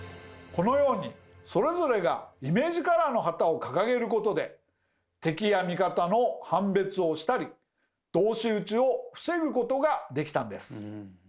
このようにそれぞれがイメージカラーの旗を掲げることで敵や味方の判別をしたり同士討ちを防ぐことができたんです。